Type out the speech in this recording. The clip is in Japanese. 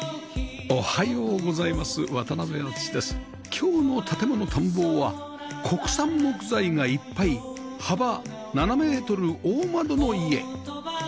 今日の『建もの探訪』は国産木材がいっぱい幅７メートル大窓の家